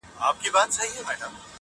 چي د بادام له شګوفو مي تکي سرې وي وني -